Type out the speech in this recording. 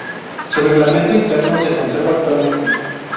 Su reglamento interno se conserva actualmente.